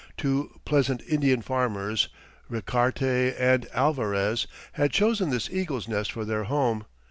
Two pleasant Indian farmers, Richarte and Alvarez, had chosen this eagle's nest for their home.